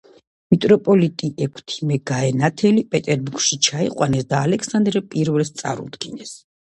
მიტროპოლიტი ექვთიმე გაენათელი პეტერბურგში ჩაიყვანეს და ალექსანდრე პირველს წარუდგინეს